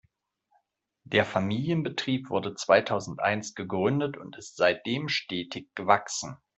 Der Familienbetrieb wurde zweitausendeins gegründet und ist seitdem stetig gewachsen.